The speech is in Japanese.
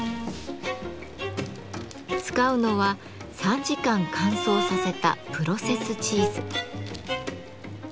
使うのは３時間乾燥させたプロセスチーズ。